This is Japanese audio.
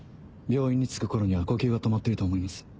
病院に着く頃には呼吸が止まっていると思います。